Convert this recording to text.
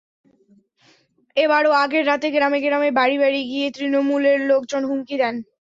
এবারও আগের রাতে গ্রামে গ্রামে বাড়ি বাড়ি গিয়ে তৃণমূলের লোকজন হুমকি দেন।